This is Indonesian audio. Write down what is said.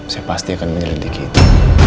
saya pasti akan menyelidiki itu